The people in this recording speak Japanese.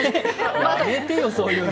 やめてよ、そういうの。